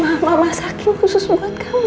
mama masakin khusus buat kamu